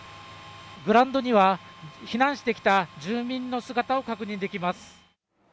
グラウンドには避難してきた住民の姿を確認できます。